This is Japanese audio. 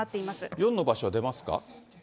４の場所は出ますか？